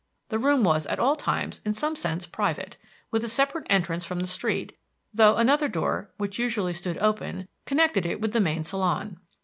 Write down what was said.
The room was at all times in some sense private, with a separate entrance from the street, though another door, which usually stood open, connected it with the main salon.